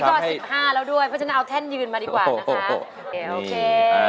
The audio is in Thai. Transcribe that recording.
เพราะฉะนั้นเอาแท่นยืนมาดีกว่านะคะ